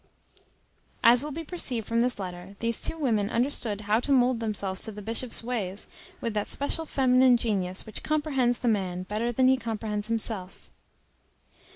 As will be perceived from this letter, these two women understood how to mould themselves to the Bishop's ways with that special feminine genius which comprehends the man better than he comprehends himself.